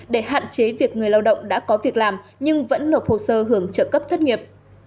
để hạn chế việc người lao động đã có việc làm nhưng vẫn nộp hồ sơ hưởng trợ cấp thất nghiệp